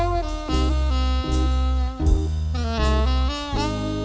หยินดี